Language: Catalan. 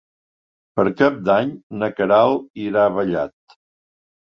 Per Cap d'Any na Queralt irà a Vallat.